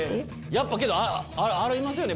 やっぱけどありますよね！